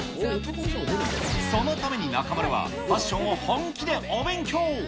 そのために中丸はファッションを本気でお勉強。